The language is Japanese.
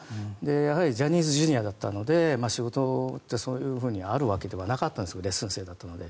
やはりジャニーズＪｒ．だったので仕事はそういうふうにあるわけではなかったのでレッスン生だったので。